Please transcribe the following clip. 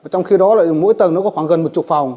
trong khi đó mỗi tầng nó có khoảng gần một mươi phòng